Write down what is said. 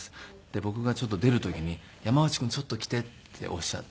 僕がちょっと出る時に「山内君ちょっと来て」っておっしゃって。